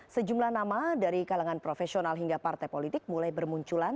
sejumlah nama dari kalangan profesional hingga partai politik mulai bermunculan